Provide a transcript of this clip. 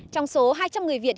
trong số hai trăm linh người việt